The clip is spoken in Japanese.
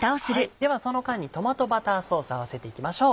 ではその間にトマトバターソース合わせていきましょう。